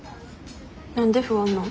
何で不安なん？